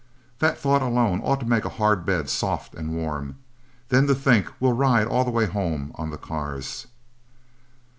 That thought alone ought to make a hard bed both soft and warm. Then to think we'll ride all the way home on the cars."